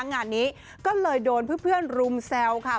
งานนี้ก็เลยโดนเพื่อนรุมแซวค่ะ